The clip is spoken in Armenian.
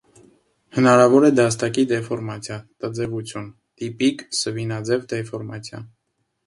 Հնարավոր է դաստակի դեֆորմացիա՝ տձևություն (տիպիկ՝ սվինաձև դեֆորմացիա)։